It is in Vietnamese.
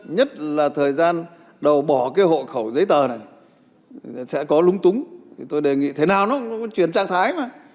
nhất là thời gian đầu bỏ cái hộ khẩu giấy tờ này sẽ có lung túng thì tôi đề nghị thế nào nó chuyển trạng thái mà